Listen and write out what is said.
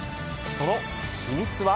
その秘密は。